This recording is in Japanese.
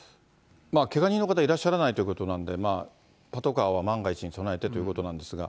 けが人の方はいらっしゃらないということなんで、パトカーは万が一に備えてということなんですが。